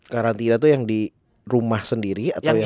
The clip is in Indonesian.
karantina tuh yang di rumah sendiri